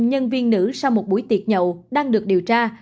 nhân viên nữ sau một buổi tiệc nhậu đang được điều tra